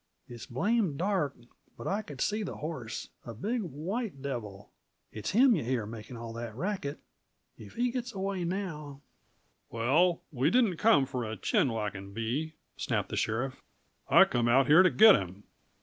It's blame dark, but I could see the horse a big white devil. It's him yuh hear makin' all that racket. If he gits away now " "Well, we didn't come for a chin whackin' bee," snapped the sheriff. "I come out here t' git him."